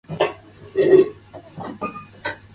坐在厨房的门边